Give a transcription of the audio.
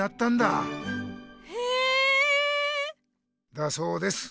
だそうです。